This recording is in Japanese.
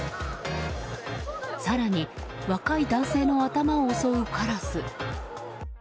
更に、若い男性の頭を襲うカラス。